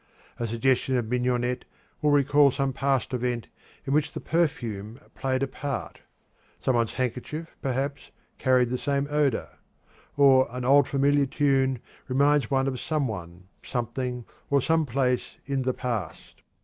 A suggestion of mignonette will recall some past event in which the perfume played a part; some one's handkerchief, perhaps, carried the same odor. Or an old familiar tune reminds one of some one, something, or some place in the past.